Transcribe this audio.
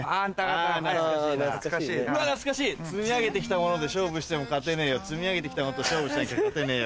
「積み上げてきたもので勝負しても勝てねぇよ積み上げてきたものと勝負しなきゃ勝てねぇよ」。